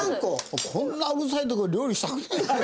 もうこんなうるさいとこで料理したくねえよ。